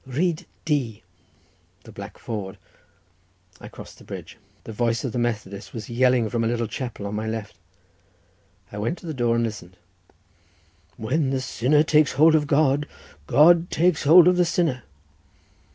"Rhyd du"—the black ford—I crossed the bridge. The voice of the Methodist was yelling from a little chapel on my left. I went to the door and listened: "When the sinner takes hold of God, God takes hold of the sinner."